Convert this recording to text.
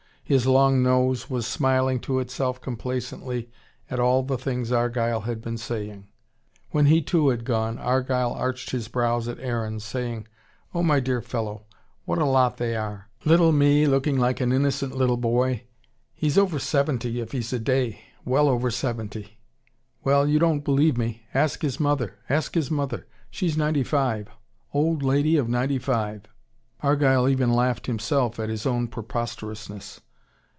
His long nose was smiling to itself complacently at all the things Argyle had been saying. When he, too, had gone, Argyle arched his brows at Aaron, saying: "Oh, my dear fellow, what a lot they are! Little Mee looking like an innocent little boy. He's over seventy if he's a day. Well over seventy. Well, you don't believe me. Ask his mother ask his mother. She's ninety five. Old lady of ninety five " Argyle even laughed himself at his own preposterousness.